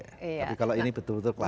tapi kalau ini betul betul kuat